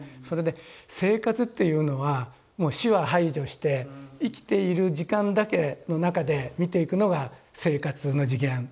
それで生活っていうのはもう死は排除して生きている時間だけの中で見ていくのが生活の次元。